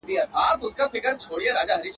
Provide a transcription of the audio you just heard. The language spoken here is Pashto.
هم ښادۍ یې وې لیدلي هم غمونه.